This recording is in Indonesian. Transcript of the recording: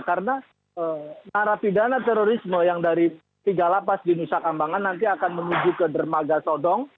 karena para pidana terorisme yang dari tiga lapas di nusa kambangan nanti akan menuju ke dermaga sodong